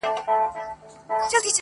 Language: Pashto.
جانان پر سرو سترګو مین دی!.